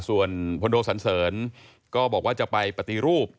ส่วนพลโดสันเสริญก็บอกว่าจะไปปฏิรูป